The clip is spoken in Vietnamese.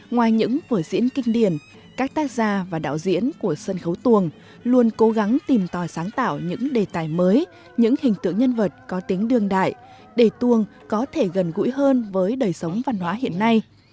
ngoài những vở diễn kinh điển các tác gia và đạo diễn của sân khấu tuồng luôn cố gắng tìm tòi sáng tạo những đề tài mới những hình tượng nhân vật có tính đương đại để tuồng có thể gần gũi hơn với đời sống văn hóa hiện nay